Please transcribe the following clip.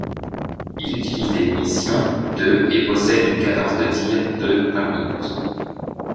Il utilise des munitions de et possède une cadence de tir de par minute.